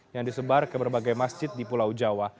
yang disebar ke berbagai masjid di pulau jawa